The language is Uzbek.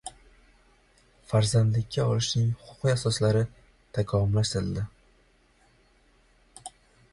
Farzandlikka olishning huquqiy asoslari takomillashtirildi